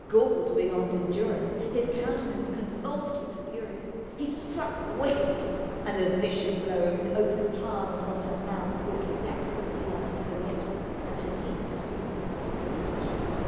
Galled beyond endurance, his countenance convulsed with fury, he struck wickedly; and the vicious blow of his open palm across her mouth brought flecks of blood to the lips as her teeth cut into the tender flesh.